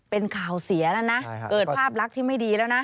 เป็นข่าวเสียแล้วนะเกิดภาพลักษณ์ที่ไม่ดีแล้วนะ